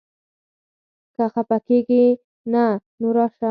که خپه کېږې نه؛ نو راشه!